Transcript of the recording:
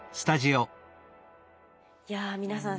いや皆さん